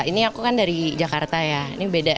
ini aku kan dari jakarta ya ini beda